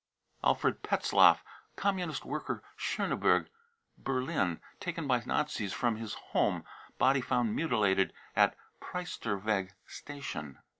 Alfred petzlaff. Communist worker, Schoneberg, Berlin, taken by Nazis from his home ; body found mutilated at Priesterweg station.